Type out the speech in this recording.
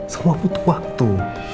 semua butuh waktu